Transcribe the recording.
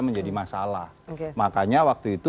menjadi masalah makanya waktu itu